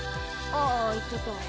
あ行っちゃった。